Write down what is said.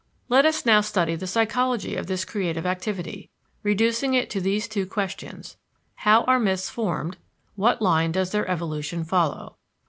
Let us now study the psychology of this creative activity, reducing it to these two questions: How are myths formed? What line does their evolution follow?